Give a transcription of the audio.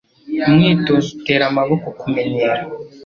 Umwitozo utera amaboko kumenyera,